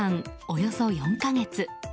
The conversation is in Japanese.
およそ４か月。